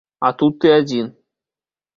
А тут ты адзін.